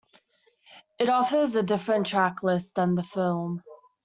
It offers a different track list than the film.